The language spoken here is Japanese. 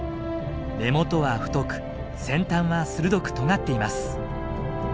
根元は太く先端は鋭くとがっています。